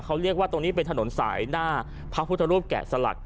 เขาเรียกว่าตรงนี้เป็นถนนสายหน้าพระพุทธรูปแกะสลัก